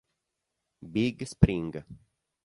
Big Spring